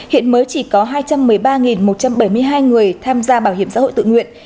hiện mới chỉ có hai trăm một mươi ba một trăm bảy mươi hai người tham gia bảo hiểm xã hội tự nguyện